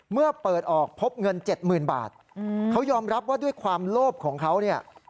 เมื่อเปิดออกพบเงิน๗๐๐๐บาทเขายอมรับว่าด้วยความโลภของเขาเนี่ย